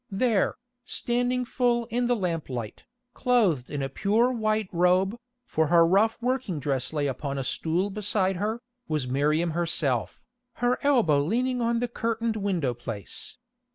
There, standing full in the lamplight, clothed in a pure white robe, for her rough working dress lay upon a stool beside her, was Miriam herself, her elbow leaning on the curtained window place.